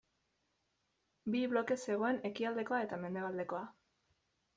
Bi bloke zegoen ekialdekoa eta mendebaldekoa.